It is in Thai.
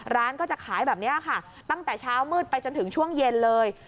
ร้านก็จะขายแบบนี้ค่ะตั้งแต่เช้ามืดไปจนถึงช่วงเย็นเลย